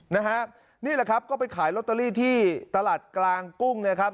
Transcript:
นะฮะนี่แหละครับก็ไปขายลอตเตอรี่ที่ตลาดกลางกุ้งนะครับ